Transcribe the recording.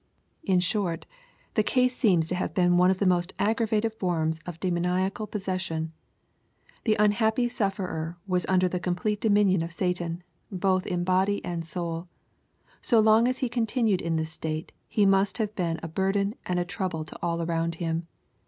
In short, the case seems to have been one of the most aggravated forms of demoniacal possession. The unhappy sufferer was under the com plete dominion of Satan, both in body and soul. So long as he continued in this state, he must have been a burden and a trouble to all around him.